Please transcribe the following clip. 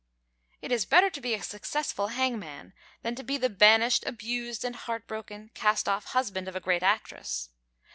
It is better to be a successful hangman than to be the banished, abused and heart broken, cast off husband of a great actress.